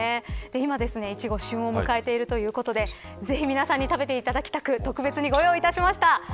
今、イチゴ、旬を迎えているということでぜひ皆さんに食べていただきたく特別に、ご用意いたしました。